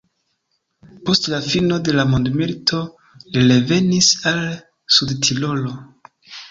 Post la fino de la dua mondmilito li revenis al Sudtirolo.